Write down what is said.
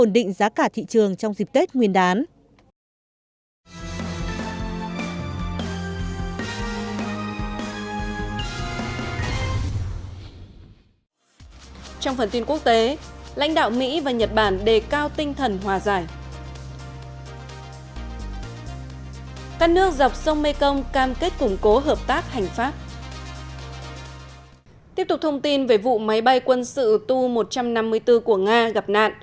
đáng đáng đáng đáng